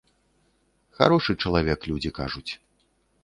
Харошы чалавек, людзі кажуць.